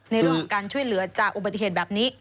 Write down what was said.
ในเรื่องของการช่วยเหลือจากอุบัติเหตุแบบนี้